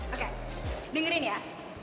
oke dengerin ya